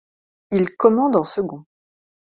Il commande en second.